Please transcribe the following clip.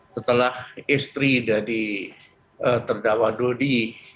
setelah istri dari terdakwa dodi